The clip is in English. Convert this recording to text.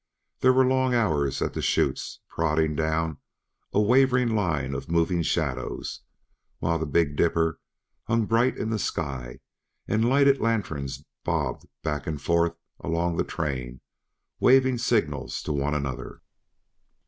There were long hours at the chutes, prodding down at a wavering line of moving shadows, while the "big dipper" hung bright in the sky and lighted lanterns bobbed back and forth along the train waving signals to one another.